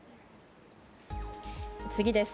次です。